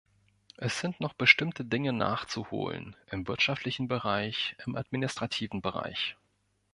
Es sind noch bestimmte Dinge nachzuholen, im wirtschaftlichen Bereich, im administrativen Bereich.